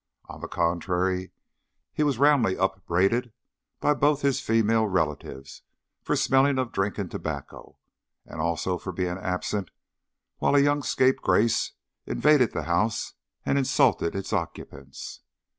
On the contrary, he was roundly upbraided by both his female relatives for smelling of drink and tobacco, and also for being absent while a young scapegrace invaded the house and insulted its occupants.